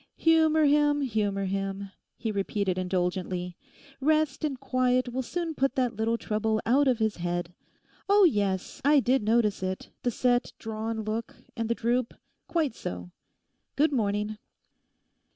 'Humour him, humour him,' he repeated indulgently. 'Rest and quiet will soon put that little trouble out of his head. Oh yes, I did notice it—the set drawn look, and the droop: quite so. Good morning.